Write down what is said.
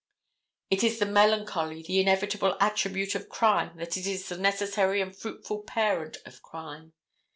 It is the melancholy, the inevitable attribute of crime that it is the necessary and fruitful parent of crime.